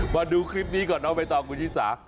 มาดูคลิปนี้ก่อนเอาไปต่อคุณชิสา